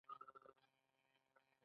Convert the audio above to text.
یو پنځوسم سوال د نظارت د اصولو په اړه دی.